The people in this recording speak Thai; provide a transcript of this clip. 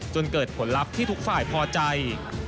จนเกิดผลลัพธ์ที่ทุกฝ่ายพอใจ